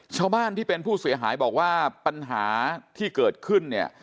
ชาวบ้านที่เป็นผู้เสียหายบอกว่าปัญหาที่เกิดขึ้นเนี่ย